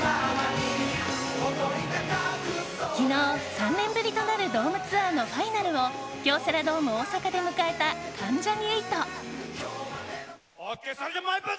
昨日、３年ぶりとなるドームツアーのファイナルを京セラドーム大阪で迎えた関ジャニ∞。